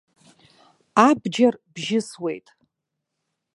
Абџьар бжьысуеит.